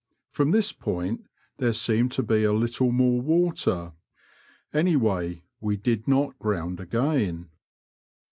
From this point there seemed to be a little more water ; any way, we did not ground again.